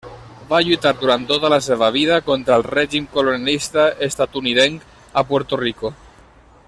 Va lluitar durant tota la seva vida contra el règim colonialista estatunidenc a Puerto Rico.